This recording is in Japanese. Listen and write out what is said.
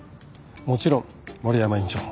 もちろん森山院長も。